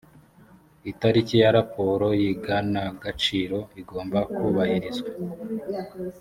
itariki ya raporo y’iganagaciro igomba kubahirizwa